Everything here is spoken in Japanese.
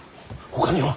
ほかには。